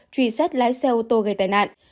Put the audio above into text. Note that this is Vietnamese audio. truy xét lái xe ô tô gây tai nạn